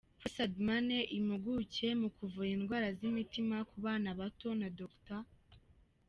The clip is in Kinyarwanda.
Pressad Manne, impuguke mu kuvura indwara z’imitima ku bana bato, na Dr.